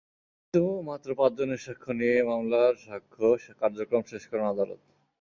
কিন্তু মাত্র পাঁচজনের সাক্ষ্য নিয়ে মামলার সাক্ষ্য কার্যক্রম শেষ করেন আদালত।